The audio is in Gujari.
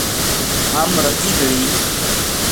ہم رَتی گلی